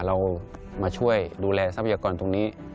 เรามาช่วยดูแลทรัพยากรตรงนี้